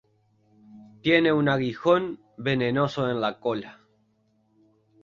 Tiene un aguijón venenoso en la cola.